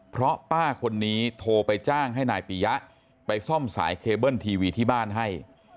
เพราะป้าคนนี้โทรไปจ้างให้นายปียะไปซ่อมสายเคเบิ้ลทีวีที่บ้านให้